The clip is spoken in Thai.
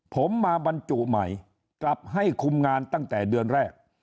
ผมมาบรรจุใหม่กลับให้คุมงานตั้งแต่เดือนแรก